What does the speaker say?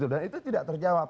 dan itu tidak terjawab